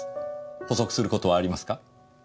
補足する事はありますか？